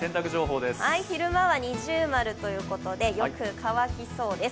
昼間は◎ということでよく乾きそうです。